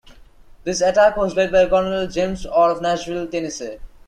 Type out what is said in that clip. This attack was led by Colonel James Orr of Nashville, Tennessee.